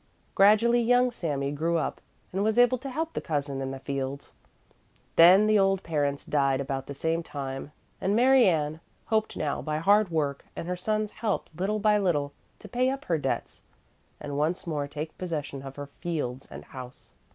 Gradually young Sami grew up and was able to help the cousin in the fields. Then the old parents died about the same time, and Mary Ann hoped now by hard work and her son's help little by little to pay up her debts and once more take possession of her fields and house.